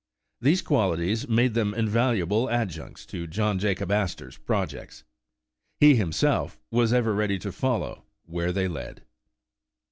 These qualities made them invaluable adjuncts to John Jacob Astor \<i projects. He, himself, was ever ready to follow where they led.